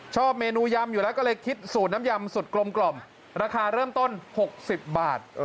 ชอบเมนูยำอยู่แล้วก็เลยคิดสูตรน้ำยำสุดกลมราคาเริ่มต้น๖๐บาท